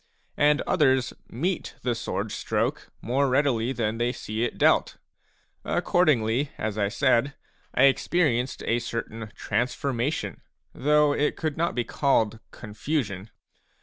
And others meet the sword stroke more readily than they see it dealt. Accordingly, as I said, I experienced a certain transformation, though it could not be called con fusion.